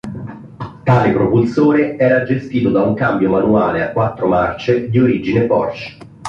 Tale propulsore era gestito da un cambio manuale a quattro marce di origine Porsche.